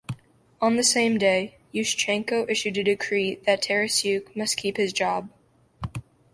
On the same day, Yushchenko issued a decree that Tarasyuk must keep his job.